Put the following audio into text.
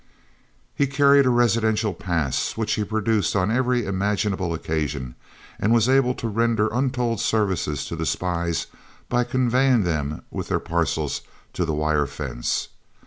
He carried a residential pass, which he produced on every imaginable occasion, and was able to render untold services to the spies by conveying them with their parcels to the wire fence.